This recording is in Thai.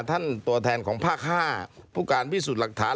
ตัวแทนของภาค๕ผู้การพิสูจน์หลักฐาน